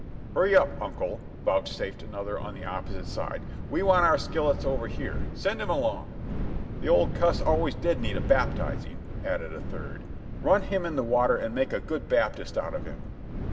"Hurry up. Uncle," vouchsafed another on the opposite side, "we want our skillets over here; send him along." "The old cuss always did need a baptizing," added a third. "Run him in the water and make a good Baptist out of him."